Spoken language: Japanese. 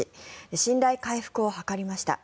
信頼回復を図りました。